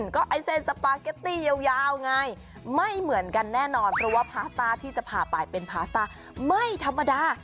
ก็ไอ้เส้นสปาเกตี้ยาวไงไม่เหมือนกันแน่นอนเพราะว่าพาสต้าที่จะพาไปเป็นพาสต้าไม่ธรรมดา